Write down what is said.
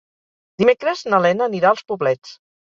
Dimecres na Lena anirà als Poblets.